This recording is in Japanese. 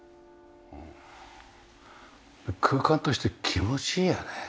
空間として気持ちいいよね。